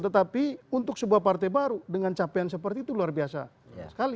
tetapi untuk sebuah partai baru dengan capaian seperti itu luar biasa sekali